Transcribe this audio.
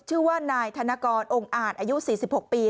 ชื่อว่านายธนกรองค์อาจอายุ๔๖ปี